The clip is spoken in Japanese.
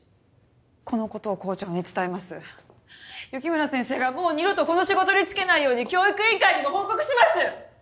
このことを校長に伝え雪村先生がもう二度とこの仕事に就けないように教育委員会にも報告します！